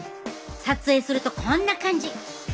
撮影するとこんな感じ。